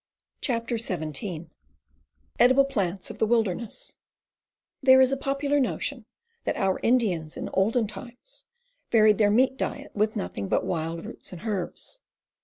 CHAPTER XVII EDIBLE PLANTS OF THE WILDERNESS T^HERE is a popular notion that onr Indians in olden * times varied their meat diet with nothing but wild roots and herbs.